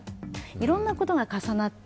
いろんなことが重なって